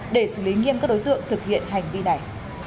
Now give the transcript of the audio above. để xử lý nghiêm các đối tượng thực hiện hành vi này